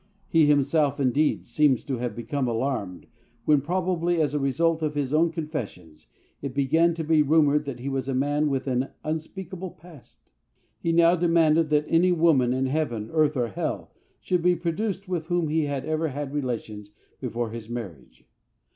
He himself, indeed, seems to have become alarmed when probably as a result of his own confessions it began to be rumoured that he was a man with an unspeakable past. He now demanded that "any woman in heaven, earth or hell" should be produced with whom he had ever had relations before his marriage.